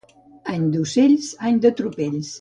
Any d'ocells, any de tropells.